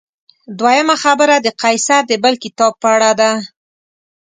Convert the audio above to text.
دویمه خبره د قیصر د بل کتاب په اړه ده.